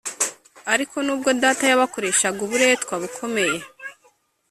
Ariko nubwo data yabakoreshaga uburetwa bukomeye